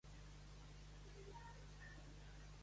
Maemo és una versió modificada de Debian.